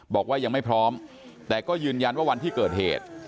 บอกว่ายังไม่พร้อมแต่ก็ยืนยันว่าวันที่เกิดเหตุ